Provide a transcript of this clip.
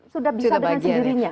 sudah bisa dengan sendirinya